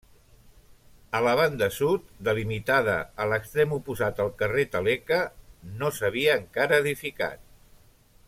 A la banda sud, delimitada a l'extrem oposat el carrer Taleca, no s'havia encara edificat.